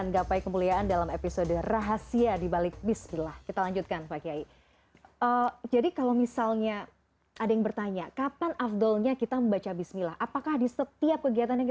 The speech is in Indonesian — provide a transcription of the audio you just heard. gapai kemuliaan akan kembali setelah yang satu ini